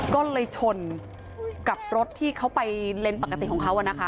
ก็เลยชนกับรถที่เขาไปเลนส์ปกติของเขานะคะ